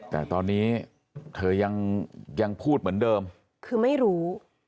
แต่ตอนนี้เธอยังพูดเหมือนเดิมคือไม่รู้